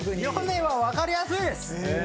ヨネは分かりやすいです。